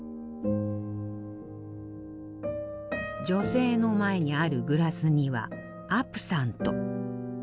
女性の前にあるグラスにはアプサント。